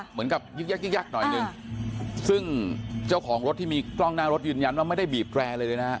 เหมือนกับยึกยักยึกยักหน่อยหนึ่งซึ่งเจ้าของรถที่มีกล้องหน้ารถยืนยันว่าไม่ได้บีบแกร่อะไรเลยนะฮะ